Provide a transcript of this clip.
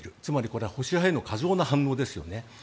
これは保守派への過剰な反応ですよね。